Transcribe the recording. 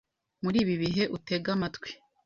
Muri ibi bihe uteg’amatwi